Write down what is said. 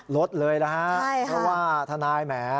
ลดเลยนะฮะเพราะว่าทนายแหม